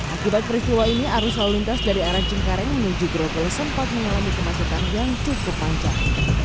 akibat peristiwa ini arus lalu lintas dari arah cengkareng menuju grogol sempat mengalami kemacetan yang cukup panjang